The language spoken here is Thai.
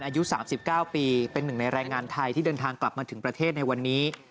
อายุ๓๙ปีเป็นหนึ่งในแรงงานไทยที่เดินทางกลับมาถึงประเทศในวันนี้